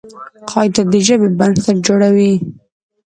قاعده د ژبي بنسټ جوړوي.